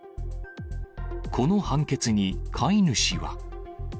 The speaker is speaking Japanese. この判決に飼い主は。